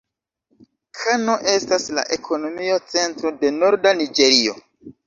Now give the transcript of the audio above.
Kano estas la ekonomia centro de norda Niĝerio.